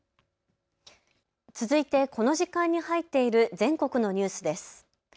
続いてこの時間に入っている全国のニュースです。